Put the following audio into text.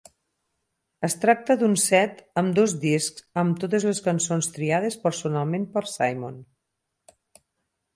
Es tracta d'un set amb dos discs amb totes les cançons triades personalment per Simon.